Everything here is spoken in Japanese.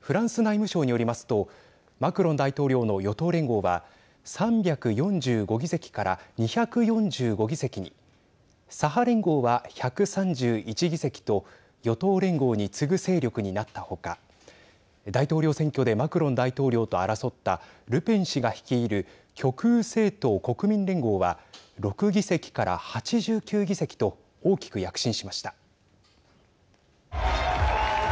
フランス内務省によりますとマクロン大統領の与党連合は３４５議席から２４５議席に左派連合は１３１議席と与党連合に次ぐ勢力になったほか大統領選挙でマクロン大統領と争ったルペン氏が率いる極右政党国民連合は６議席から８９議席と大きく躍進しました。